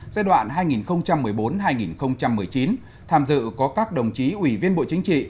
giai đoạn hai nghìn một mươi bốn hai nghìn một mươi chín tham dự có các đồng chí ủy viên bộ chính trị